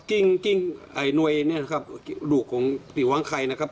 กิ้งนวยนี่นะครับลูกของติววางไข่นะครับ